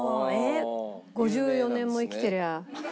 ５４年も生きてりゃあ。